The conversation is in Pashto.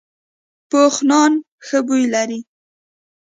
پوخ نان ښه بوی لري